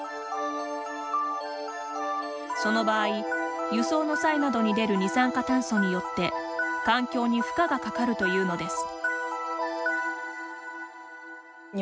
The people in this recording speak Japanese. その場合輸送の際などに出る二酸化炭素によって環境に負荷がかかるというのです。